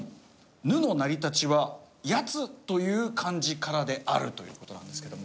「“ぬ”の成り立ちは奴という漢字からである」という事なんですけども。